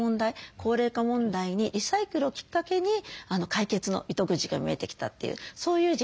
高齢化問題にリサイクルをきっかけに解決の糸口が見えてきたというそういう事例だと思います。